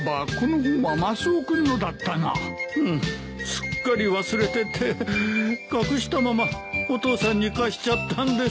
すっかり忘れてて隠したままお父さんに貸しちゃったんです。